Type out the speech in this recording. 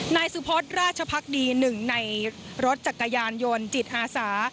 นายสุพศราชภักดีหนึ่งในรถจักรยานยนต์จิตอาสา